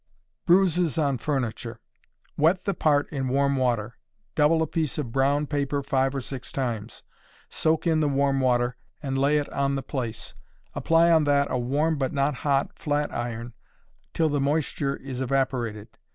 Bruises on Furniture. Wet the part in warm water; double a piece of brown paper five or six times, soak in the warm water, and lay it on the place; apply on that a warm, but not hot, flatiron till the moisture is evaporated.